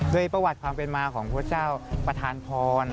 โดยประวัติความเป็นมาของพระเจ้าประธานพร